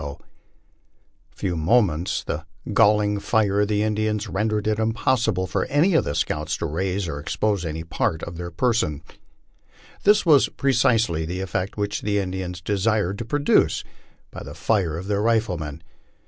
For a few moments the galling fire of the Indians rendered it impossible for any of the scouts to raise or expose any part of their persons. This was pre cisely the eftect which the Indians desired to produce by the fire of their rifle men.